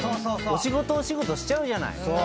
お仕事お仕事しちゃうじゃない。